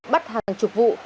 bắt hàng chục vụ